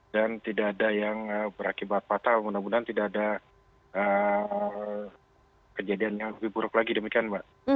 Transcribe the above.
dan tidak ada yang berakibat patah mudah mudahan tidak ada kejadian yang lebih buruk lagi demikian mbak